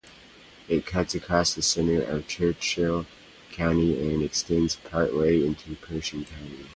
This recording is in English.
It cuts across the center of Churchill County and extends partway into Pershing County.